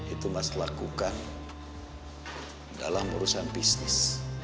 itu mas lakukan dalam urusan bisnis